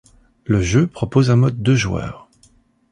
Le jeu propose un mode deux joueurs.